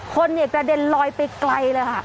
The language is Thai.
คนกระเด็นลอยไปไกลเลยค่ะ